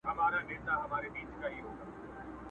زموږ د سندرو د ښادیو وطن٫